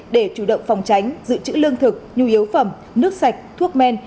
để chủ động phòng tránh dự trữ lương thực nhu yếu phẩm nước sạch thuốc men